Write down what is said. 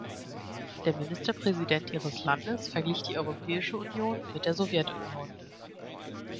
Der Ministerpräsident Ihres Landes verglich die Europäische Union mit der Sowjetunion.